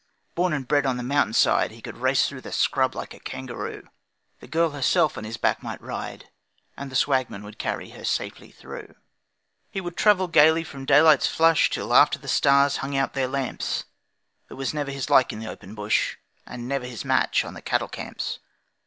Born and bred on the mountain side, He could race through scrub like a kangaroo, The girl herself on his back might ride, And the Swagman would carry her safely through. He would travel gaily from daylight's flush Till after the stars hung out their lamps, There was never his like in the open bush, And never his match on the cattle camps.